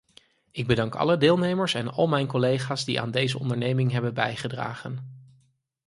Ik bedank alle deelnemers en al mijn collega's die aan deze onderneming hebben bijgedragen.